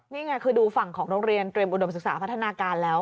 นี่ไงคือดูฝั่งของโรงเรียนเตรียมอุดมศึกษาพัฒนาการแล้ว